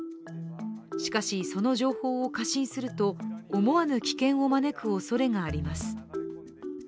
しかし、その情報を過信すると思わぬ危険を招くおそれがあります。